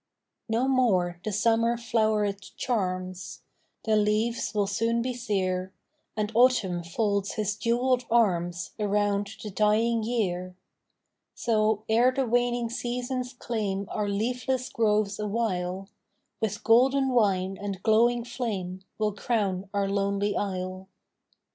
No more the summer floweret charms, The leaves will soon be sere, And Autumn folds his jewelled arms Around the dying year; So, ere the waning seasons claim Our leafless groves awhile, With golden wine and glowing flame We 'll crown our lonely isle.